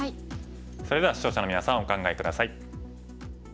それでは視聴者のみなさんお考え下さい。